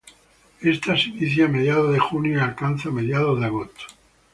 Ésta se inicia a mediados de junio y alcanza mediados de agosto.